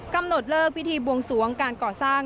กำหนดเลิกพิธีบวงสวงการก่อสร้าง